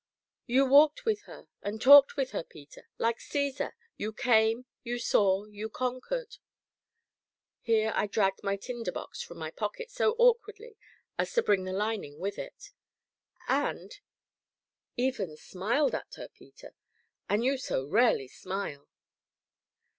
"You walked with her, and talked with her, Peter like Caesar, 'you came, you saw, you conquered'!" Here I dragged my tinder box from my pocket so awkwardly as to bring the lining with it. "And even smiled at her, Peter and you so rarely smile!"